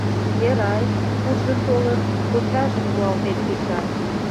Эрай, куржын толын, кочажым руалтен куча.